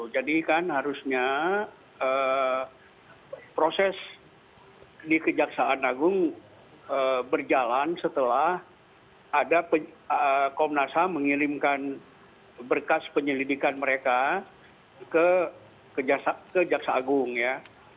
jadi kan harusnya proses di kejaksaan agung berjalan setelah ada komnas ham mengirimkan berkas penyelidikan mereka ke kejaksa agung ya